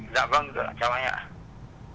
dạ vâng chào anh ạ